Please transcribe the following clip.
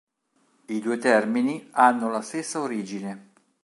I due termini hanno la stessa origine.